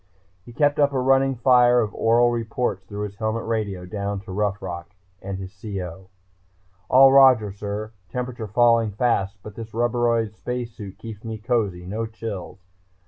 He kept up a running fire of oral reports through his helmet radio, down to Rough Rock and his CO. "All Roger, sir ... temperature falling fast but this rubberoid space suit keeps me cozy, no chills ...